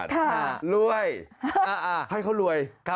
สุดยอดดีแล้วล่ะ